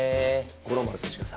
五郎丸選手がさ